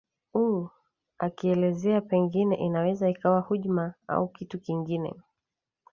uu akielezea pengine inaweza ikawa hujma au kitu kingine